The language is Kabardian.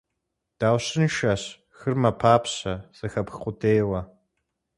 Даущыншэщ, хыр мэпапщэ, зэхэпх къудейуэ.